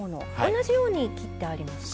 同じように切ってありますか。